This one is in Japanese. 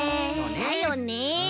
だよねえ。